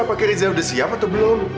apakah rizah udah siap atau belum